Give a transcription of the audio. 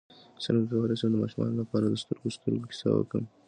څنګه کولی شم د ماشومانو لپاره د سترګو سترګو کیسه وکړم